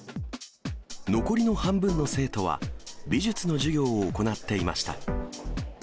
残りの半分の生徒は美術の授業を行っていました。